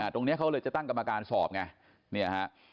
ตรงนี้เขาเลยจะตั้งกรรมการสอบไงเนี่ยฮะ